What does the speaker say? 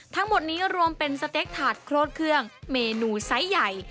ทั้งหมดนี้รวมเป็นสเต็กถาดโครดเครื่องเมนูไซส์ใหญ่